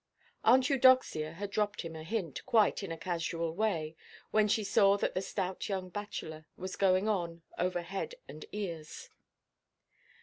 Aunt Eudoxia had dropped him a hint, quite in a casual way, when she saw that the stout young bachelor was going in, over head and ears.